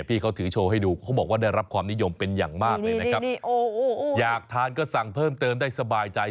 พี่เขาถือโชว์ให้ดูเขาบอกว่าได้รับความนิยมเป็นอย่างมากเลยนะครับอยากทานก็สั่งเพิ่มเติมได้สบายใจ